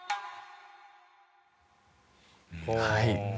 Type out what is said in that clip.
はい。